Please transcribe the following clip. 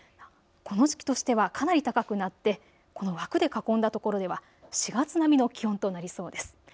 この時期としてはかなり高くなって、この枠で囲んだところでは４月並みの気温となりそうです。